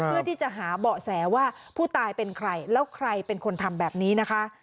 เพื่อที่จะหาเบาะแสว่าผู้ตายเป็นใครแล้วใครเป็นคนทำแบบนี้นะคะ